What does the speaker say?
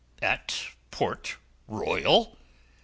"At Port Royal?"